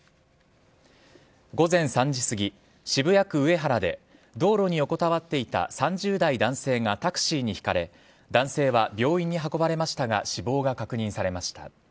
午前３時過ぎ、渋谷区上原で、道路に横たわっていた３０代男性がタクシーにひかれ、男性は病院に運ばれましたが、死亡が確認されました。